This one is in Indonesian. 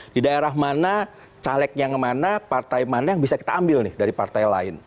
di daerah mana caleg yang mana partai mana yang bisa kita ambil nih dari partai lain